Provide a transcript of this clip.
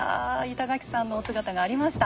板垣さんのお姿がありました。